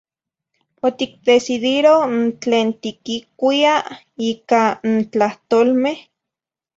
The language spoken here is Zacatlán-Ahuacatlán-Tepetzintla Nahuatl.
Oticdecidiroh n tlen tiquicuia ica n tlahtolmeh.